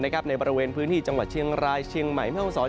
ในบริเวณพื้นที่จังหวัดเชียงรายเชียงใหม่แม่ห้องศร